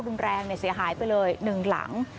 รุงแรงเนี่ยเสียหายไปเลย๑หลัง